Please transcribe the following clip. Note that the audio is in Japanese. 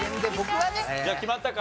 じゃあ決まったか？